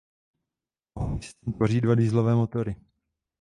Pohonný systém tvoří dva dieselové motory.